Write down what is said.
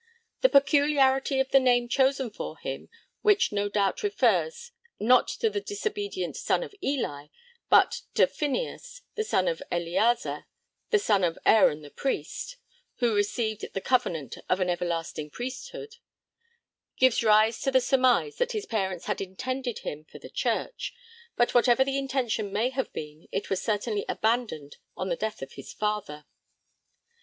The peculiarity of the name chosen for him (which no doubt refers, not to the disobedient son of Eli, but to 'Phinehas, the son of Eleazar, the son of Aaron the priest,' who received 'the covenant of an everlasting priesthood') gives rise to the surmise that his parents had intended him for the Church, but whatever the intention may have been, it was certainly abandoned on the death of his father.